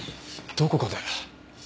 どこかで。